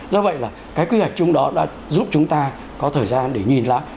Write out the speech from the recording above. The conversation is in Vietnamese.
do vậy là cái quy hoạch chung đó đã giúp chúng ta có thời gian để nhìn lại